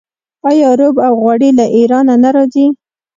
آیا رب او غوړي له ایران نه راځي؟